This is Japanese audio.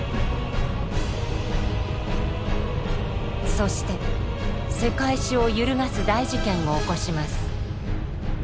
そして世界史を揺るがす大事件を起こします。